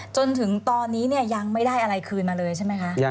จนถึงตอนนี้ยังไม่ได้อะไรคืนมาเลยใช่มั้ยคะ